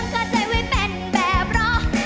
ตั้งข้อใจไว้เป็นแบบร้อย